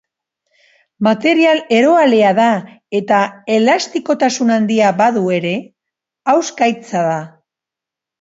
Material eroalea da eta, elastikotasun handia badu ere, hauskaitza da.